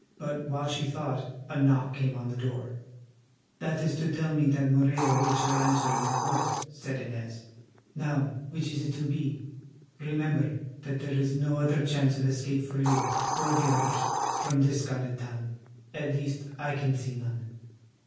But while she thought, a knock came on the door. "That is to tell me that Morella awaits your answer in the court," said Inez. "Now, which is it to be? Remember that there is no other chance of escape for you, or the others, from this guarded town—at least I can see none."